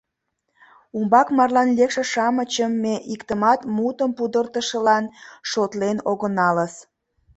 Умбак марлан лекше-шамычым ме иктымат мутым пудыртышылан шотлен огыналыс.